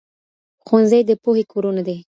ښوونځي د پوهې کورونه دي.